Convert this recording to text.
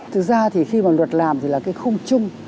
thực ra thì khi mà luật làm thì là cái khung chung